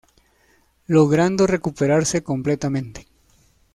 Logrando recuperarse completamente.